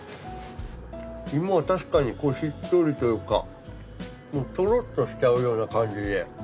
芋がたしかにしっとりというかとろっとしちゃうような感じで。